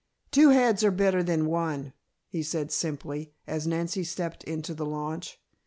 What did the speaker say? "Two heads are better than one," he said simply, as Nancy stepped into the launch.